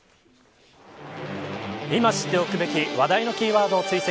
今、知っておくべき話題のキーワードを追跡。